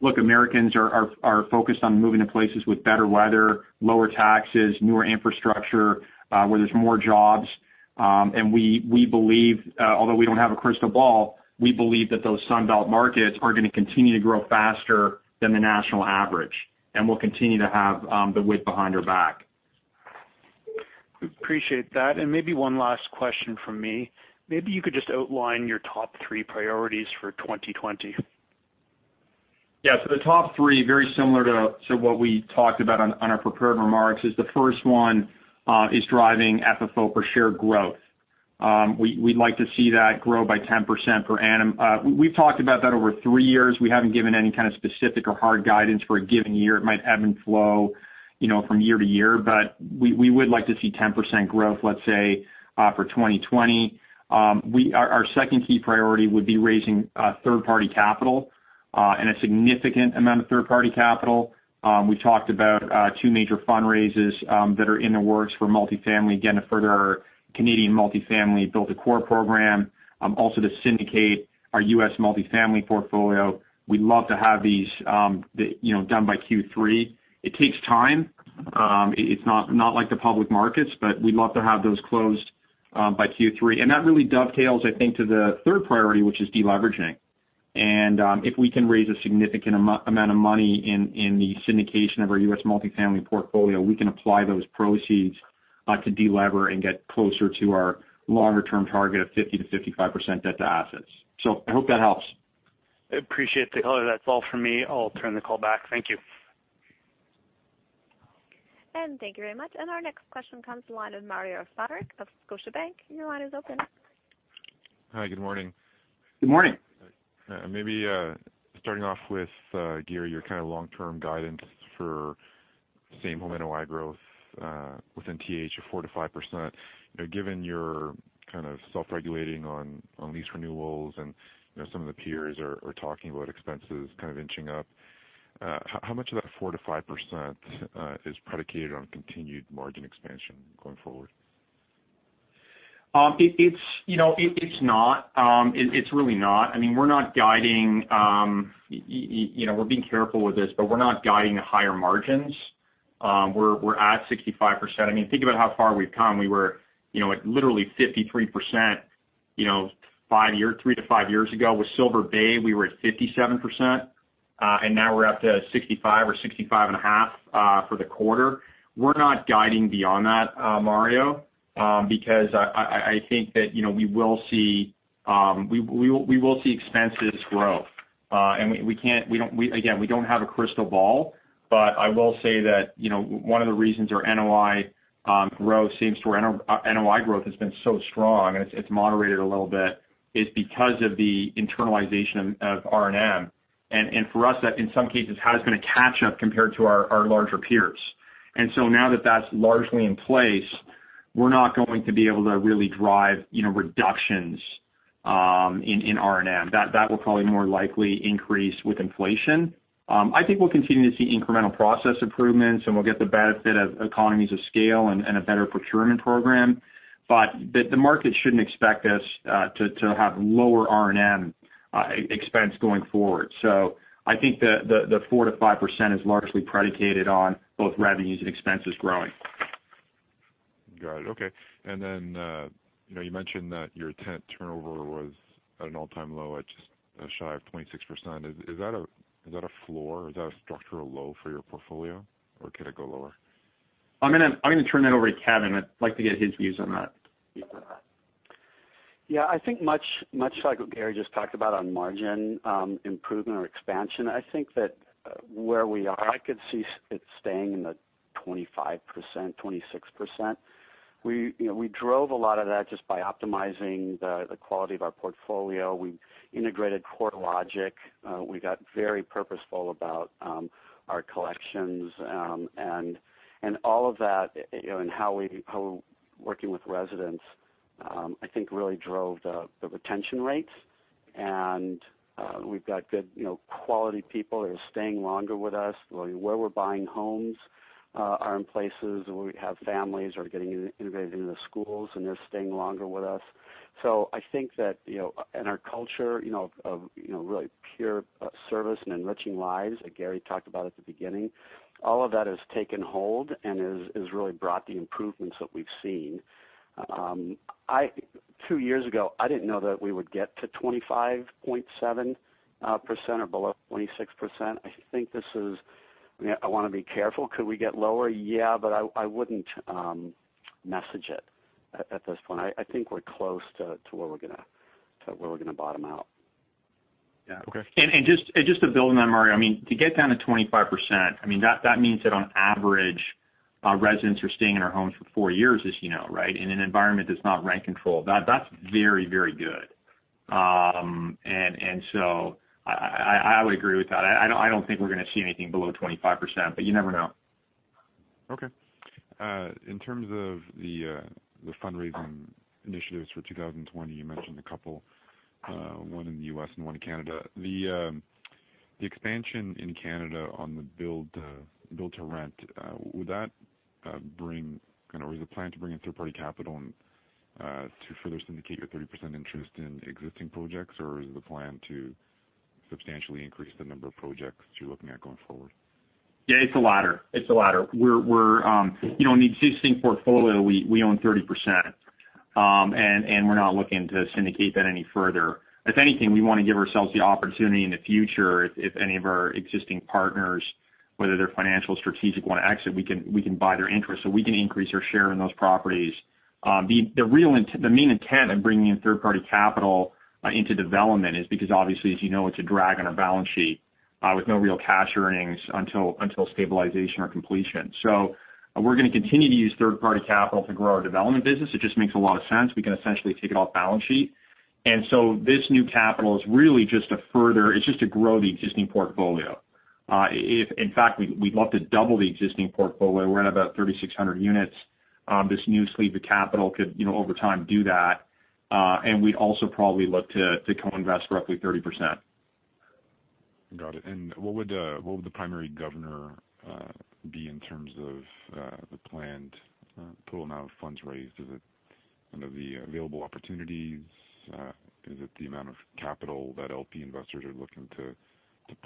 look, Americans are focused on moving to places with better weather, lower taxes, newer infrastructure, where there's more jobs. We believe, although we don't have a crystal ball, we believe that those Sun Belt markets are going to continue to grow faster than the national average, and we'll continue to have the wind behind our back. Appreciate that. Maybe one last question from me. Maybe you could just outline your top three priorities for 2020. Yeah. The top three, very similar to what we talked about on our prepared remarks, is the first one driving FFO per share growth. We'd like to see that grow by 10% per annum. We've talked about that over three years. We haven't given any kind of specific or hard guidance for a given year. It might ebb and flow from year-to-year. We would like to see 10% growth, let's say, for 2020. Our second key priority would be raising third-party capital. A significant amount of third-party capital. We talked about two major fundraisers that are in the works for multifamily, again, to further our Canadian multifamily build to core program. Also to syndicate our U.S. multifamily portfolio. We'd love to have these done by Q3. It takes time. It's not like the public markets, but we'd love to have those closed by Q3. That really dovetails, I think, to the third priority, which is de-leveraging. If we can raise a significant amount of money in the syndication of our U.S. multifamily portfolio, we can apply those proceeds to de-lever and get closer to our longer-term target of 50%-55% debt to assets. I hope that helps. I appreciate the color. That's all for me. I will turn the call back. Thank you. Thank you very much. Our next question comes to the line of Mario Saric of Scotiabank. Your line is open. Hi. Good morning. Good morning. Maybe starting off with, Gary, your kind of long-term guidance for same home NOI growth within TH of 4%-5%. Given your kind of self-regulating on lease renewals and some of the peers are talking about expenses kind of inching up, how much of that 4%-5% is predicated on continued margin expansion going forward? It's not. It's really not. We're being careful with this, but we're not guiding higher margins. We're at 65%. Think about how far we've come. We were at literally 53% three to five years ago. With Silver Bay, we were at 57%, and now we're up to 65% or 65.5% for the quarter. We're not guiding beyond that, Mario, I think that we will see expenses grow. Again, we don't have a crystal ball, but I will say that one of the reasons our NOI growth has been so strong, and it's moderated a little bit, is because of the internalization of R&M. For us, that in some cases has been a catch-up compared to our larger peers. Now that that's largely in place, we're not going to be able to really drive reductions in R&M. That will probably more likely increase with inflation. I think we'll continue to see incremental process improvements, and we'll get the benefit of economies of scale and a better procurement program. The market shouldn't expect us to have lower R&M expense going forward. I think the 4%-5% is largely predicated on both revenues and expenses growing. Got it. Okay. You mentioned that your tenant turnover was at an all-time low at just shy of 26%. Is that a floor? Is that a structural low for your portfolio, or could it go lower? I'm going to turn that over to Kevin. I'd like to get his views on that. Yeah. I think much like what Gary just talked about on margin improvement or expansion, I think that where we are, I could see it staying in the 25%, 26%. We drove a lot of that just by optimizing the quality of our portfolio. We integrated CoreLogic. We got very purposeful about our collections. All of that and how working with residents I think really drove the retention rates, and we've got good quality people that are staying longer with us. Where we're buying homes are in places where we have families that are getting integrated into the schools, and they're staying longer with us. Our culture of really pure service and enriching lives that Gary talked about at the beginning, all of that has taken hold and has really brought the improvements that we've seen. Two years ago, I didn't know that we would get to 25.7% or below 26%. I want to be careful. Could we get lower? Yeah, but I wouldn't message it at this point. I think we're close to where we're going to bottom out. Yeah. Okay. Just to build on that, Mario, to get down to 25%, that means that on average, residents are staying in our homes for four years, as you know, right? In an environment that's not rent control. That's very good. I would agree with that. I don't think we're going to see anything below 25%, but you never know. Okay. In terms of the fundraising initiatives for 2020, you mentioned a couple, one in the U.S. and one in Canada. The expansion in Canada on the build to rent, is the plan to bring in third-party capital to further syndicate your 30% interest in existing projects, or is the plan to substantially increase the number of projects you're looking at going forward? Yeah, it's the latter. In the existing portfolio, we own 30%, and we're not looking to syndicate that any further. If anything, we want to give ourselves the opportunity in the future, if any of our existing partners, whether they're financial or strategic, want to exit, we can buy their interest. We can increase our share in those properties. The main intent of bringing in third-party capital into development is because obviously, as you know, it's a drag on our balance sheet with no real cash earnings until stabilization or completion. We're going to continue to use third-party capital to grow our development business. It just makes a lot of sense. We can essentially take it off balance sheet. This new capital is really just to grow the existing portfolio. In fact, we'd love to double the existing portfolio. We're at about 3,600 units. This new sleeve of capital could, over time, do that. We'd also probably look to co-invest roughly 30%. Got it. What would the primary governor be in terms of the planned total amount of funds raised? Is it the available opportunities? Is it the amount of capital that LP investors are looking to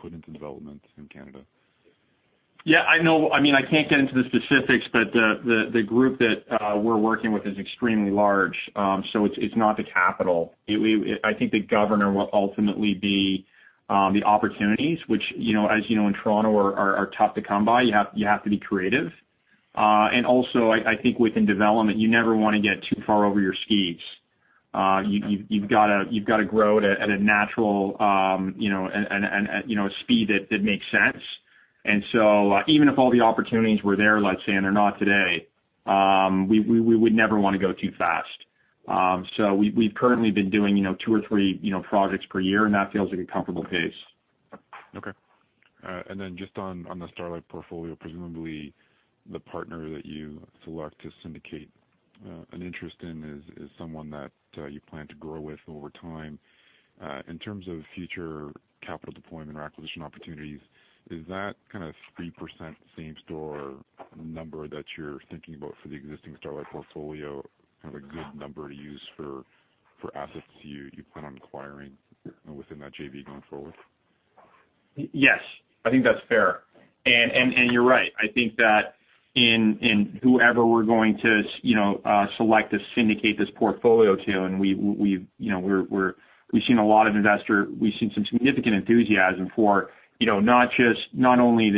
put into developments in Canada? Yeah, I know. I can't get into the specifics, but the group that we're working with is extremely large. It's not the capital. I think the governor will ultimately be the opportunities, which as you know, in Toronto, are tough to come by. You have to be creative. Also, I think within development, you never want to get too far over your skis. You've got to grow at a natural speed that makes sense. Even if all the opportunities were there, let's say, and they're not today, we would never want to go too fast. We've currently been doing two or three projects per year, and that feels like a comfortable pace. Okay. Just on the Starlight portfolio, presumably the partner that you select to syndicate an interest in is someone that you plan to grow with over time. In terms of future capital deployment or acquisition opportunities, is that kind of 3% same-store number that you're thinking about for the existing Starlight portfolio kind of a good number to use for assets you plan on acquiring within that JV going forward? Yes, I think that's fair. You're right. I think that in whoever we're going to select to syndicate this portfolio to, and we've seen some significant enthusiasm for not only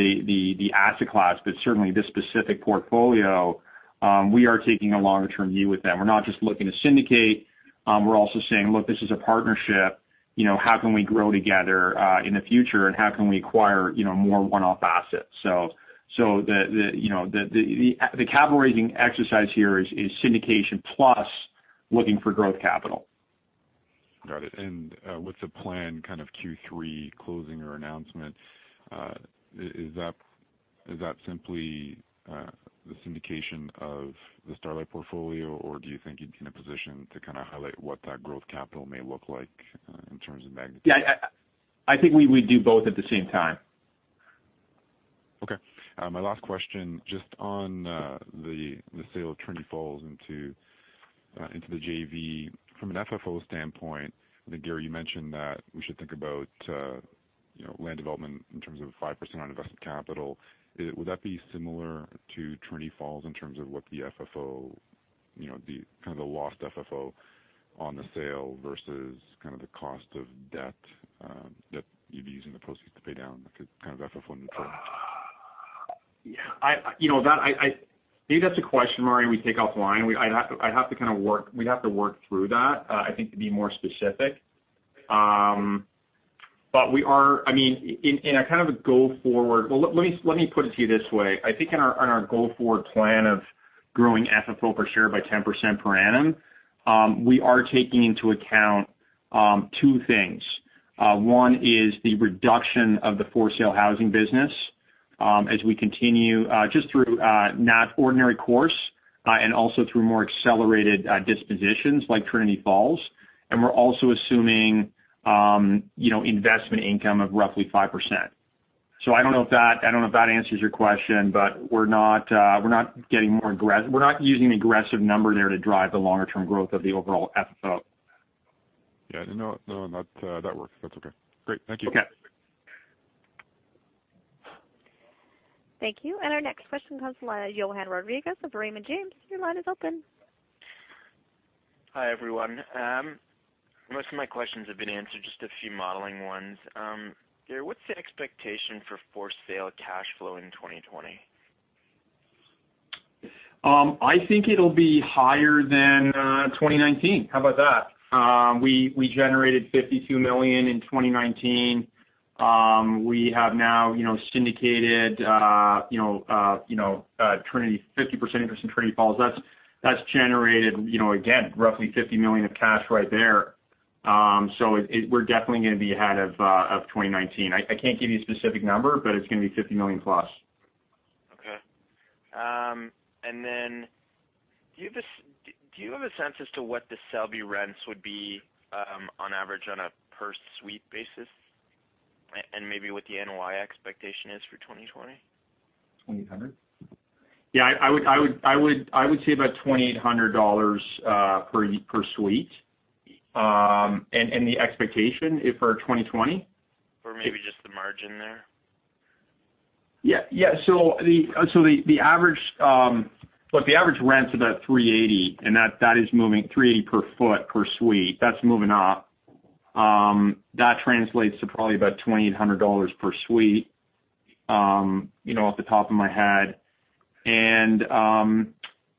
the asset class, but certainly this specific portfolio. We are taking a longer-term view with them. We're not just looking to syndicate. We're also saying, look, this is a partnership. How can we grow together in the future, and how can we acquire more one-off assets? The capital raising exercise here is syndication plus looking for growth capital. With the planned Q3 closing or announcement, is that simply the syndication of the Starlight portfolio, or do you think you'd be in a position to kind of highlight what that growth capital may look like in terms of magnitude? Yeah. I think we do both at the same time. Okay. My last question, just on the sale of Trinity Falls into the JV. From an FFO standpoint, I think, Gary, you mentioned that we should think about land development in terms of 5% on invested capital. Would that be similar to Trinity Falls in terms of what the kind of the lost FFO on the sale versus kind of the cost of debt that you'd be using the proceeds to pay down to kind of FFO neutral? Maybe that's a question, Mario, we take offline. We'd have to work through that, I think, to be more specific. Well, let me put it to you this way. I think on our go-forward plan of growing FFO per share by 10% per annum, we are taking into account two things. One is the reduction of the for-sale housing business as we continue just through not ordinary course, and also through more accelerated dispositions like Trinity Falls. We're also assuming investment income of roughly 5%. I don't know if that answers your question, but we're not using an aggressive number there to drive the longer-term growth of the overall FFO. No, that works. That's okay. Great. Thank you. Okay. Thank you. Our next question comes from Johann Rodrigues of Raymond James. Your line is open. Hi, everyone. Most of my questions have been answered, just a few modeling ones. Gary, what's the expectation for for-sale cash flow in 2020? I think it'll be higher than 2019. How about that? We generated $52 million in 2019. We have now syndicated 50% interest in Trinity Falls. That's generated, again, roughly $50 million of cash right there. We're definitely going to be ahead of 2019. I can't give you a specific number, it's going to be $50 million plus. Okay. Do you have a sense as to what The Selby rents would be on average on a per suite basis, and maybe what the NOI expectation is for 2020? $2,800. Yeah, I would say about $2,800 per suite. The expectation for 2020? Maybe just the margin there. Yeah. Look, the average rent's about $380, and that is moving. 380 per foot, per suite. That's moving up. That translates to probably about $2,800 per suite, off the top of my head.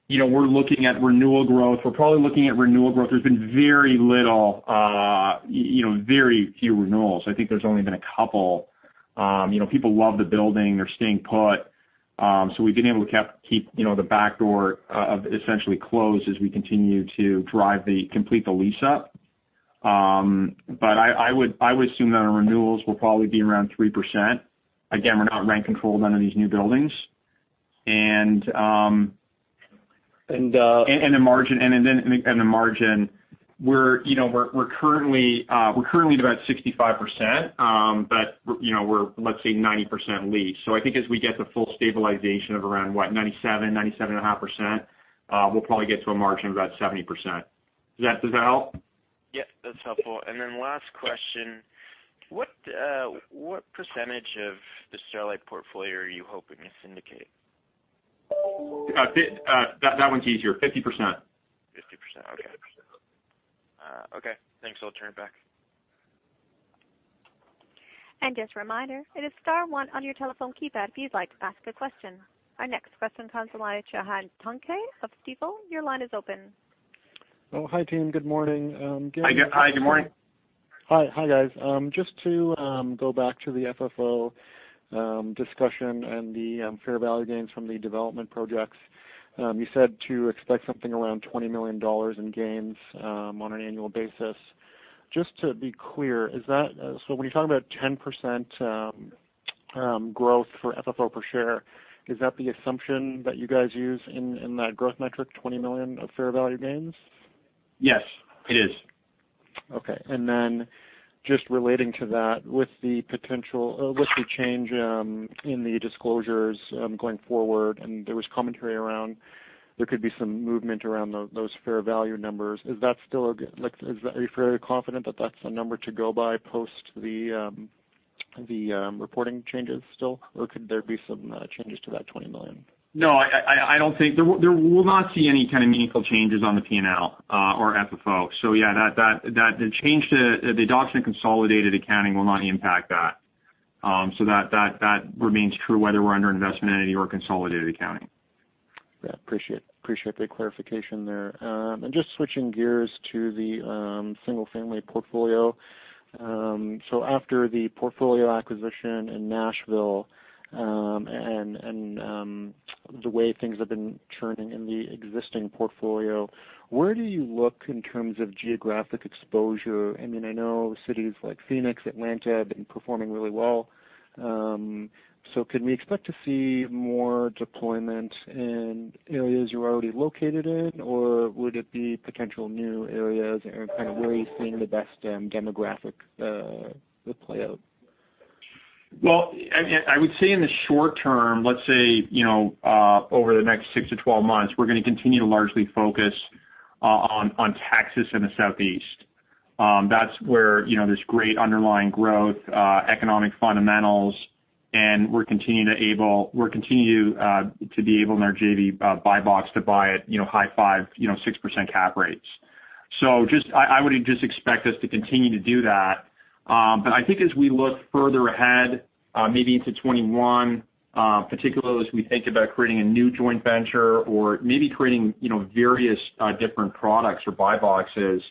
We're looking at renewal growth. We're probably looking at renewal growth. There's been very few renewals. I think there's only been a couple. People love the building. They're staying put. We've been able to keep the back door essentially closed as we continue to complete the lease up. I would assume that our renewals will probably be around 3%. Again, we're not rent controlled, none of these new buildings. The margin, we're currently at about 65%, but we're, let's say, 90% leased. I think as we get the full stabilization of around, what, 97%, 97.5%, we'll probably get to a margin of about 70%. Does that help? Yeah, that's helpful. Last question. What percentage of the Starlight portfolio are you hoping to syndicate? That one's easier. 50%. 50%, okay. Yeah. Okay, thanks. I'll turn it back. Just a reminder, it is star one on your telephone keypad if you'd like to ask a question. Our next question comes from Chanan Glambosky of Stifel. Your line is open. Oh, hi, team. Good morning. Hi. Good morning. Hi. Hi, guys. Just to go back to the FFO discussion and the fair value gains from the development projects. You said to expect something around $20 million in gains on an annual basis. Just to be clear, so when you talk about 10% growth for FFO per share, is that the assumption that you guys use in that growth metric, $20 million of fair value gains? Yes, it is. Okay. Just relating to that, with the change in the disclosures going forward, there was commentary around there could be some movement around those fair value numbers. Are you fairly confident that that's a number to go by post the reporting changes still, or could there be some changes to that $20 million? No, I don't think There will not see any kind of meaningful changes on the P&L or FFO. Yeah, the adoption of consolidated accounting will not impact that. That remains true whether we're under investment entity or consolidated accounting. Yeah, appreciate that clarification there. Just switching gears to the single-family portfolio. After the portfolio acquisition in Nashville, and the way things have been churning in the existing portfolio, where do you look in terms of geographic exposure? I know cities like Phoenix, Atlanta, have been performing really well. Could we expect to see more deployment in areas you're already located in, or would it be potential new areas? Kind of where are you seeing the best demographic play out? I would say in the short term, let's say over the next six to 12 months, we're going to continue to largely focus on Texas and the Southeast. That's where there's great underlying growth, economic fundamentals, and we're continuing to be able, in our JV buy box, to buy at high 5%-6% cap rates. I would just expect us to continue to do that. I think as we look further ahead, maybe into 2021, particularly as we think about creating a new joint venture or maybe creating various different products or buy boxes,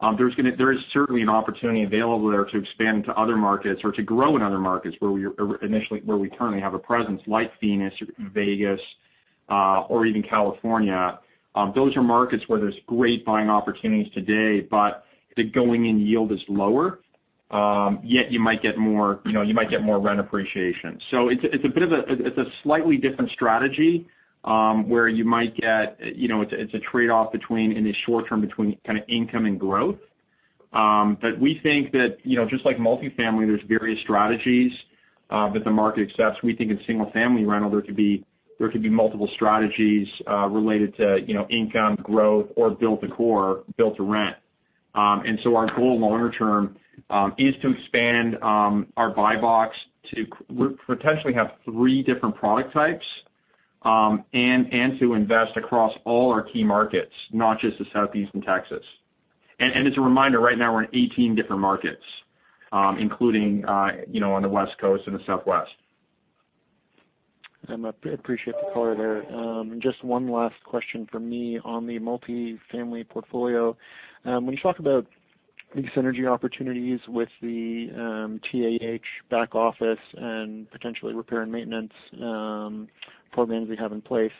there is certainly an opportunity available there to expand into other markets or to grow in other markets where we currently have a presence, like Phoenix or Vegas, or even California. Those are markets where there's great buying opportunities today, but the going-in yield is lower, yet you might get more rent appreciation. It's a slightly different strategy. It's a trade-off in the short term between kind of income and growth. We think that just like multifamily, there's various strategies that the market accepts. We think in single-family rental, there could be multiple strategies related to income, growth, or build-to-core, build-to-rent. Our goal longer term is to expand our buy box to potentially have three different product types and to invest across all our key markets, not just the Southeast and Texas. As a reminder, right now, we're in 18 different markets, including on the West Coast and the Southwest. I appreciate the color there. Just one last question from me on the multifamily portfolio. When you talk about the synergy opportunities with the TAH back office and potentially repair and maintenance programs we have in place,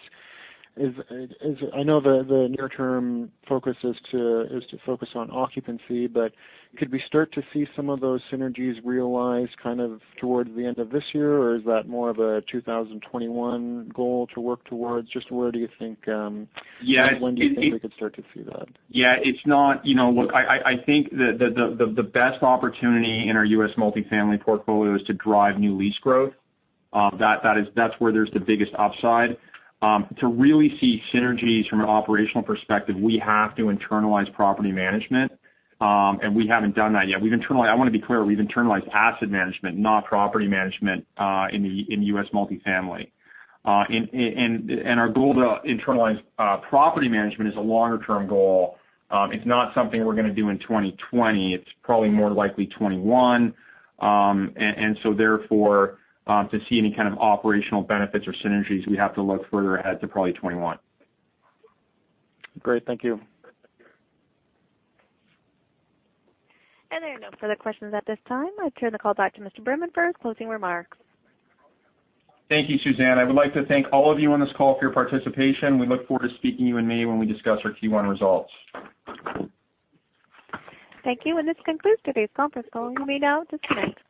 I know the near-term focus is to focus on occupancy, could we start to see some of those synergies realized kind of towards the end of this year, or is that more of a 2021 goal to work towards? Yeah. When do you think we could start to see that? Yeah, I think the best opportunity in our U.S. multifamily portfolio is to drive new lease growth. That's where there's the biggest upside. To really see synergies from an operational perspective, we have to internalize property management, and we haven't done that yet. I want to be clear, we've internalized asset management, not property management, in U.S. multifamily. Our goal to internalize property management is a longer-term goal. It's not something we're going to do in 2020. It's probably more likely 2021. Therefore, to see any kind of operational benefits or synergies, we have to look further ahead to probably 2021. Great. Thank you. There are no further questions at this time. I turn the call back to Mr. Berman for closing remarks. Thank you, Suzanne. I would like to thank all of you on this call for your participation. We look forward to speaking you and me when we discuss our Q1 results. Thank you. This concludes today's conference call. You may now disconnect.